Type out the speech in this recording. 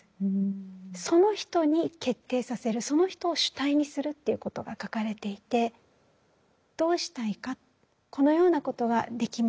その人に決定させるその人を主体にするっていうことが書かれていてどうしたいかこのようなことができます